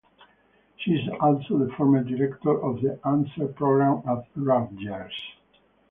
She is also the former director of the Answer program at Rutgers.